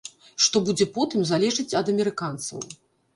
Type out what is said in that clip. Што будзе потым, залежыць ад амерыканцаў.